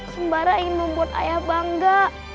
sembara ingin membuat ayah bangga